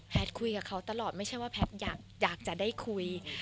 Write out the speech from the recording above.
คุยกับเขาตลอดไม่ใช่ว่าแพทย์อยากจะได้คุย